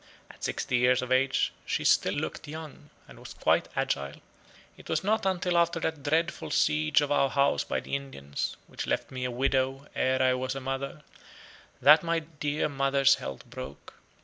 At sixty years of age she still looked young, and was quite agile. It was not until after that dreadful siege of our house by the Indians, which left me a widow ere I was a mother, that my dear mother's health broke.